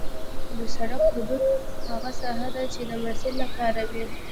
د سرک حدود هغه ساحه ده چې د مسیر لپاره وي